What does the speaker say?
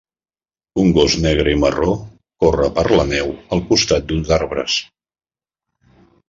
Un gos negre i marró corre per la neu al costat d'uns arbres.